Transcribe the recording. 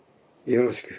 よろしく。